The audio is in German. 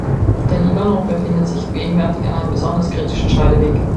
Der Libanon befindet sich gegenwärtig an einem besonders kritischen Scheideweg.